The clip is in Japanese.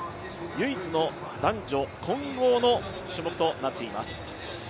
唯一の男女混合の種目となっています。